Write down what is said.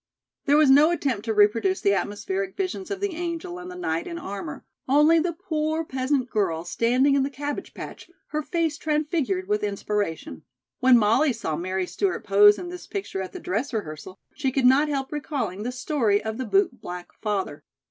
There was no attempt to reproduce the atmospheric visions of the angel and the knight in armor, only the poor peasant girl standing in the cabbage patch, her face transfigured with inspiration. When Molly saw Mary Stewart pose in this picture at the dress rehearsal, she could not help recalling the story of the bootblack father.